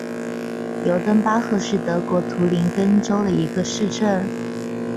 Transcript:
尤登巴赫是德国图林根州的一个市镇。